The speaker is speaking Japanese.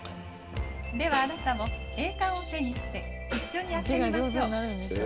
「ではあなたもエーカンを手にして一緒にやってみましょう。